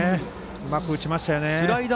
うまく打ちましたね。